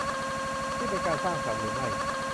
นี่เป็นการสร้างสรรค์หรือไม่ ?